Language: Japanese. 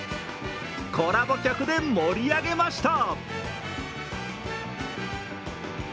コラボ曲で盛り上げました。